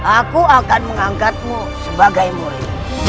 aku akan mengangkatmu sebagai murid